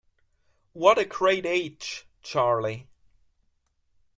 What a great age, Charley!